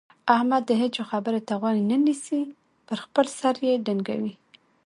احمد د هيچا خبرې ته غوږ نه نيسي؛ پر خپل سر يې ډنګوي.